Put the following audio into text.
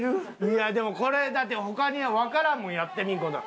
いやでもこれだって他にはわからんもんやってみん事には。